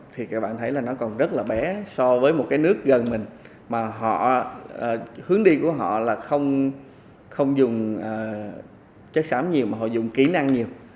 thì các bạn thấy là nó còn rất là bé so với một cái nước gần mình mà họ hướng đi của họ là không dùng chất xám nhiều mà họ dùng kỹ năng nhiều